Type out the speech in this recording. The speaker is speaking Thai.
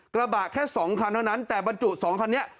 กระบะแค่๒คันเท่านั้นแต่บรรจุ๒คันนี้